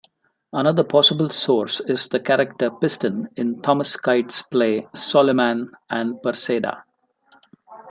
Another possible source is the character Piston in Thomas Kyd's play "Soliman and Perseda".